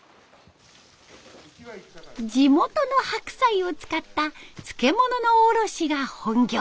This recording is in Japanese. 地元の白菜を使った漬物の卸しが本業。